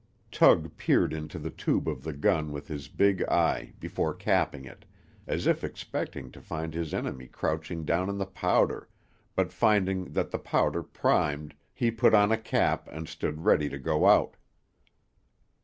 Tug peered into the tube of the gun with his big eye, before capping it, as if expecting to find his enemy crouching down in the powder, but finding that the powder primed, he put on a cap, and stood ready to go out.